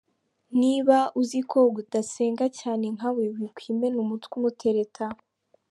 Niba uziko udasenga cyane nka we wikwimena umutwe umutereta.